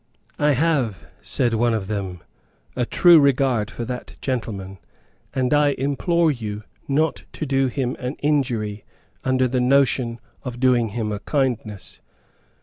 "I have," said one of them, "a true regard for that gentleman; and I implore you not to do him an injury under the notion of doing him a kindness.